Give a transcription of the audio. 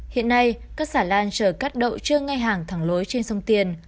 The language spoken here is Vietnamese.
hiện nay các xà lan chở cắt đậu chưa ngay hàng thẳng lối trên sông tiền